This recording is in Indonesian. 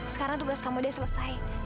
sekarang tugas kamu dia selesai